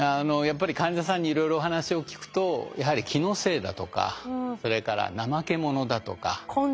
やっぱり患者さんにいろいろお話を聞くとやはり気のせいだとかそれから怠け者だとか。